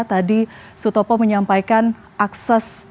tadi sutopo menyampaikan akses